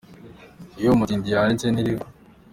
Iyo umutindi yanitse ntiriva.